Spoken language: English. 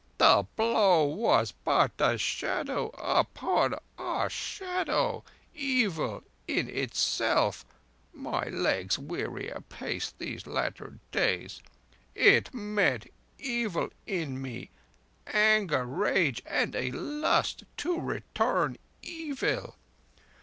"The blow was but a shadow upon a shadow. Evil in itself—my legs weary apace these latter days!—it met evil in me: anger, rage, and a lust to return evil.